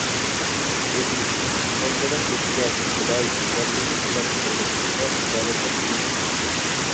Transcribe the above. تۆتىنچى، ئاممىنىڭ بىخەتەر، قولاي، مەمنۇنلۇق بىلەن سەپەرگە چىقىشىغا كاپالەتلىك قىلىش كېرەك.